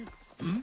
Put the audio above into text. ん？